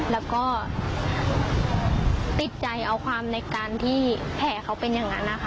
แล้วก็ติดใจเอาความในการที่แผลเขาเป็นอย่างนั้นนะคะ